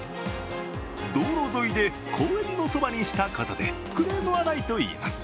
道路沿いで、公園のそばにしたことでクレームはないといいます。